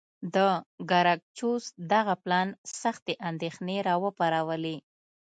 د ګراکچوس دغه پلان سختې اندېښنې را وپارولې.